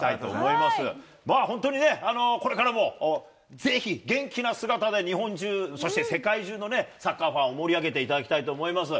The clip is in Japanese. まあ、本当にね、これからもぜひ、元気な姿で、日本中、そして世界中のね、サッカーファンを盛り上げていただきたいと思います。